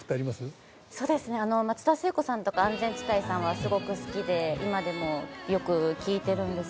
そうですねあの松田聖子さんとか安全地帯さんはすごく好きで今でもよく聴いてるんですけど。